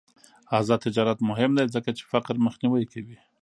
آزاد تجارت مهم دی ځکه چې فقر مخنیوی کوي.